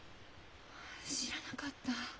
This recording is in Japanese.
知らなかった。